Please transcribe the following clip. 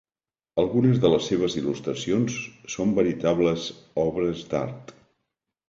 Algunes de les seves il·lustracions són veritables obres d'art.